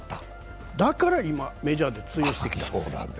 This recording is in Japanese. だから今、メジャーで通用してきた。